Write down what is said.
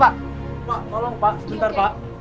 tolong pak sebentar pak